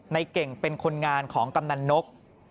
ในเก่งเป็นคนงานของกำนันนก